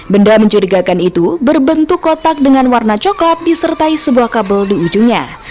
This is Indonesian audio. benda mencurigakan itu berbentuk kotak dengan warna coklat disertai sebuah kabel di ujungnya